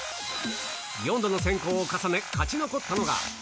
４度の選考を重ね、勝ち残ったのが。